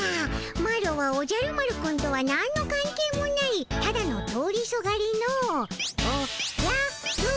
マロはおじゃる丸くんとはなんのかん係もないただの通りすがりのおじゃる子ちゃん。